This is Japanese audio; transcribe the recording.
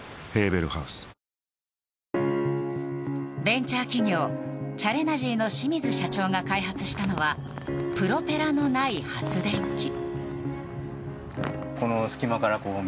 ベンチャー企業チャレナジーの清水社長が開発したのはプロペラのない発電機。